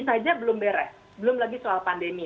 saja belum beres belum lagi soal pandemi